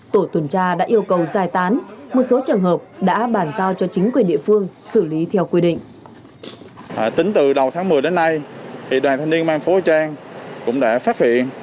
tổ tuần tra đã yêu cầu giải tán một số trường hợp đã bàn giao cho chính quyền địa phương xử lý theo quy định